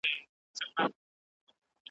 لا یې ښه تر زامي نه وه رسولې .